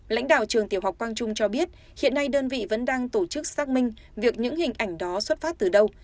lãnh đạo trường tiểu học quang trung cho biết hiện nay đơn vị vẫn đang tổ chức xác minh việc những hình ảnh đó xuất phát từ đâu